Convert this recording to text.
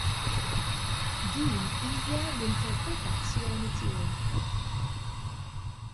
Din hija l-interpretazzjoni tiegħi.